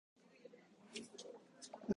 皮膚ガンの恐れはないのかな？